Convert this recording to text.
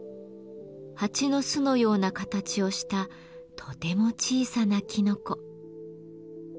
ハチの巣のような形をしたとても小さなきのこ。